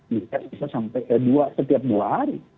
bisa sampai setiap dua hari